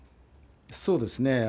そうですね。